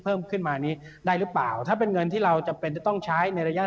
เพิ่มขึ้นมานี้ได้หรือเปล่าถ้าเป็นเงินที่เราจำเป็นจะต้องใช้ในระยะ